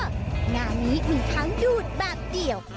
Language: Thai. งานนี้มีทั้งดูดแบบเดี่ยว